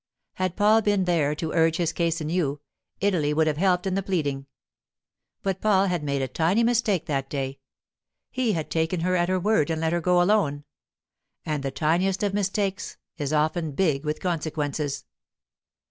Had Paul been there to urge his case anew, Italy would have helped in the pleading. But Paul had made a tiny mistake that day—he had taken her at her word and let her go alone—and the tiniest of mistakes is often big with consequences.